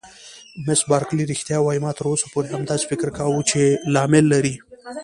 مس بارکلي: رښتیا وایې؟ ما تر اوسه پورې همداسې فکر کاوه چې لامل لري.